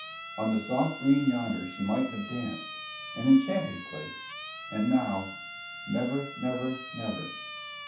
On the soft green yonder she might have danced, an enchanted place, and now never, never, never.